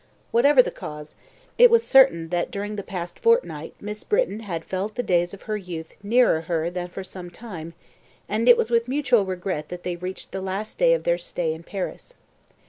Whatever the cause, it was certain that during the past fortnight Miss Britton had felt the days of her youth nearer her than for some time, and it was with mutual regret that they reached the last day of their stay in Paris.